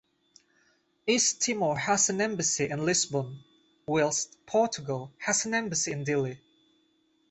East Timor has an embassy in Lisbon whilst Portugal has an embassy in Dili.